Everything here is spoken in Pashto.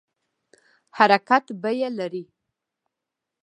حرکت بیه لري